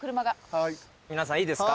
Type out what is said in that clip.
皆さんいいですか？